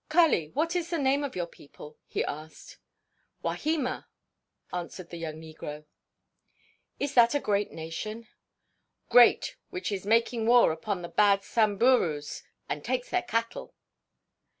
"Kali, what is the name of your people?" he asked. "Wahima," answered the young negro. "Is that a great nation?" "Great, which is making war upon the bad Samburus and takes their cattle."